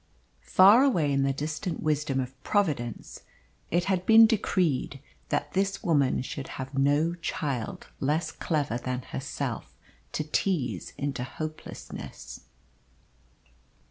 Far away in the distant wisdom of Providence it had been decreed that this woman should have no child less clever than herself to tease into hopelessness.